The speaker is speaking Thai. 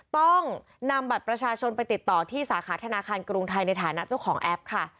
ต้องนำบัตรประชาชนไปติดต่อที่สาขาธนาคารกรุงไทยในฐานะเจ้าของแอปค่ะ